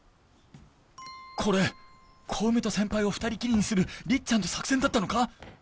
これ小梅と先輩を二人きりにするりっちゃんの作戦だったのか！？